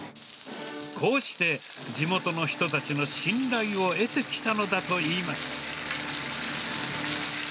こうして、地元の人たちの信頼を得てきたのだといいます。